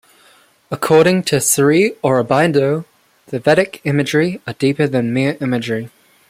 According to Sri Aurobindo, the vedic imagery are deeper than mere imagery.